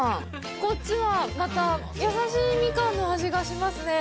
こっちはまた優しいミカンの味がしますね。